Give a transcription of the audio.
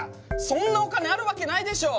そんなお金あるわけないでしょ！